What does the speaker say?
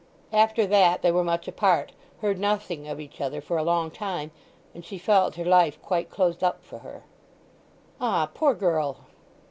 After that they were much apart, heard nothing of each other for a long time, and she felt her life quite closed up for her." "Ah—poor girl!"